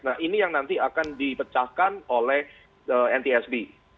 nah ini yang nanti akan dipecahkan oleh ntsb